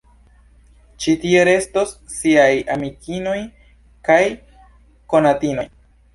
Ĉi tie restos ŝiaj amikinoj kaj konatinoj.